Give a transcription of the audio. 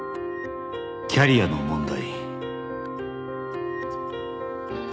「キャリアの問題」